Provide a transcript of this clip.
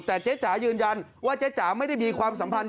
แต่เจ๊จ๋ายืนยันว่าเจ๊จ๋าไม่ได้มีความสัมพันธ์